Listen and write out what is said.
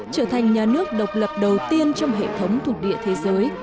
trở thành nhà nước độc lập đầu tiên trong hệ thống thuộc địa thế giới